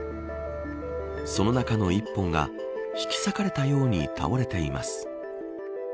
その中の１本が引き裂かれたように倒れています。